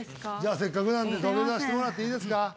じゃあせっかくなんで土下座してもらっていいですか？